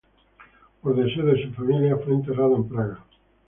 Por deseo de su familia, fue enterrado en Praga.